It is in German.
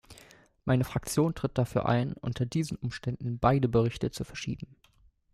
Meine Fraktion tritt dafür ein, unter diesen Umständen beide Berichte zu verschieben.